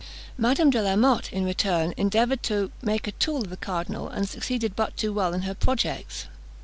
Madame de la Motte, in return, endeavoured to make a tool of the cardinal, and succeeded but too well in her projects.